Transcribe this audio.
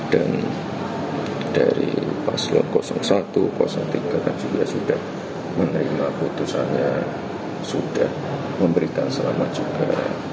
dan dari pasal satu tiga juga sudah menerima putusannya sudah memberikan selamat juga